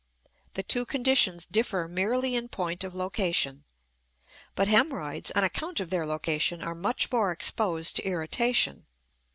The two conditions differ merely in point of location; but hemorrhoids, on account of their location, are much more exposed to irritation.